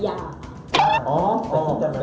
อ๋อจับได้มั้ย